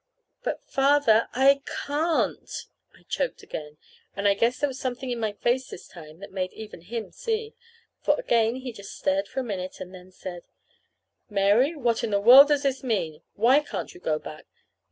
"But, Father, I can't" I choked again; and I guess there was something in my face this time that made even him see. For again he just stared for a minute, and then said: "Mary, what in the world does this mean? Why can't you go back?